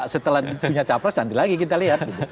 setelah punya cawapres nanti lagi kita lihat gitu